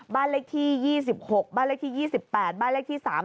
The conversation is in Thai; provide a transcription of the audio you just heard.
บ้านเลขที่๒๖บ้านเลขที่๒๘บ้านเลขที่๓